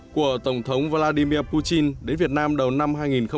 của tổng thống vladimir putin đến việt nam đầu năm hai nghìn một